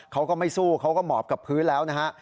เขาก็ไม่สู้เขาก็หมอบกับพื้นแล้วนะฮะ